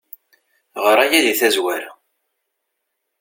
Ɣer aya di tazwara.